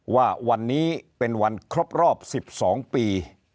ว่าวันนี้เป็นวันครบรอบ๑๒ปี